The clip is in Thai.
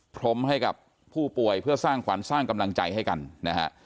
พรมให้กับผู้ป่วยเพื่อสร้างขวัญสร้างกำลังใจให้กันนะฮะ